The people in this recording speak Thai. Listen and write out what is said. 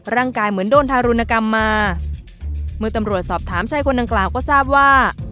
เหมือนโดนทารุณกรรมมาเมื่อตำรวจสอบถามชายคนดังกล่าวก็ทราบว่า